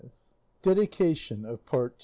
DEDICATION OF PART II.